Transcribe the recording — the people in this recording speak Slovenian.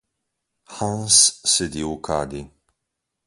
Hans sedi v kadi.